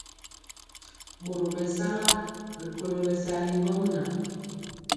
Boro mesala rikolo bɛsali ŋgomnaŋ.